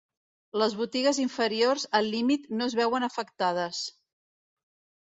Les botigues inferiors al límit no es veuen afectades.